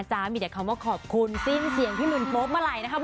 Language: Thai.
มีแต่คำว่าขอบคุณสิ้นเสียงพี่หมื่นโป๊บเมื่อไหร่นะครับ